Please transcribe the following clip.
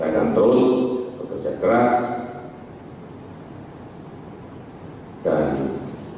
dan kita akan terus berusaha untuk menguruskan kepentingan bapak ibu